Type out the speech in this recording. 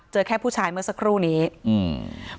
แค่ผู้ชายเมื่อสักครู่นี้อืม